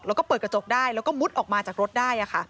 แล้วก็เปิดกระจกได้แล้วก็มุดออกมาจากรถได้